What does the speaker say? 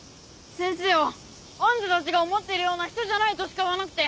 「先生はあんたたちが思ってるような人じゃない」としか言わなくて。